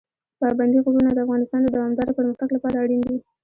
پابندی غرونه د افغانستان د دوامداره پرمختګ لپاره اړین دي.